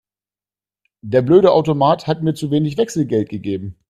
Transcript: Der blöde Automat hat mir zu wenig Wechselgeld gegeben.